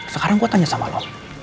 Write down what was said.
sekarang gue tanya sama lo